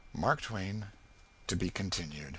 MARK TWAIN. (_To be Continued.